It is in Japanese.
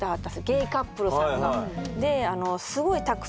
ゲイカップルさんが。